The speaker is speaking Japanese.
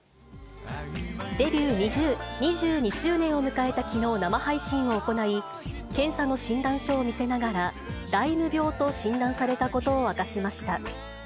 デビュー２２周年を迎えたきのう、生配信を行い、検査の診断書を見せながら、ライム病と診断されたことを明かしました。